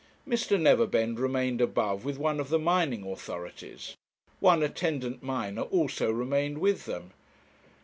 Mr. Neverbend remained above with one of the mining authorities; one attendant miner also remained with them.